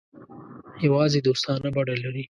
یوازې دوستانه بڼه لري.